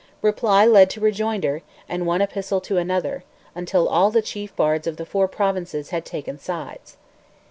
Reply led to rejoinder, and one epistle to another, until all the chief bards of the four provinces had taken sides.